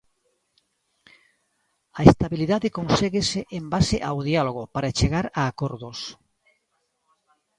A estabilidade conséguese en base ao diálogo para chegar a acordos.